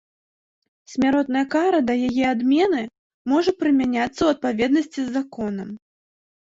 Смяротная кара да яе адмены можа прымяняцца ў адпаведнасці з законам